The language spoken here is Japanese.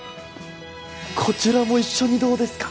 こちらも一緒にどうですか？